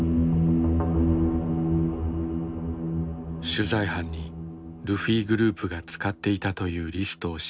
取材班にルフィグループが使っていたというリストを示したササキ。